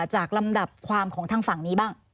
ลำดับความของทางฝั่งนี้บ้าง